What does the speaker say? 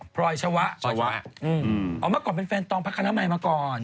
พรอยชะวะอ๋อมาก่อนเป็นแฟนตองภักดิ์คณะใหม่มาก่อน